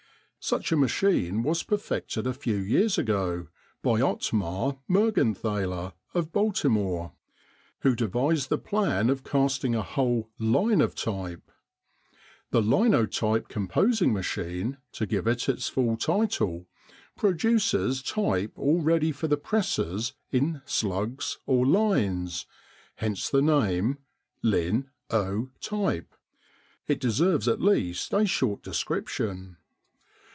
Such a machine was perfected a few years ago by Ottmar Mergenthaler of Baltimore, who devised the plan of casting a whole line of type. The Linotype Composing Machine, to give it its full title, produces type all ready for the presses in "slugs" or lines hence the name, Lin' o' type. It deserves at least a short description.